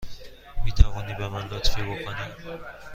می توانی به من لطفی بکنی؟